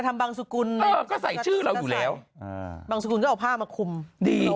ไม่ใช่